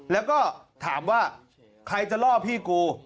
แล้วก็ถามว่าใครจะล่อพี่กู